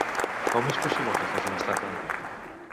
Com es possible que fos una estafa?